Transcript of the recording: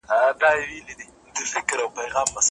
ږغ د خپل بلال مي پورته له منبره له منار کې